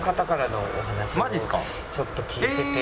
ちょっと聞いてて。